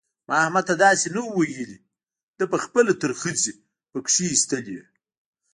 ما احمد ته داسې نه وو ويلي؛ ده په خپله ترخځي په کښېيستلې.